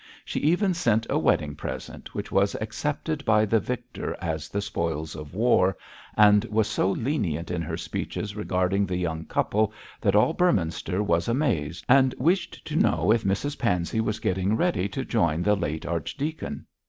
She even sent a wedding present, which was accepted by the victor as the spoils of war, and was so lenient in her speeches regarding the young couple that all Beorminster was amazed, and wished to know if Mrs Pansey was getting ready to join the late archdeacon.